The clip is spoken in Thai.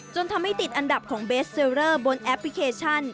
จนทำให้ติดอันดับของเบสเซลเลอร์บนแอปพลิเคชัน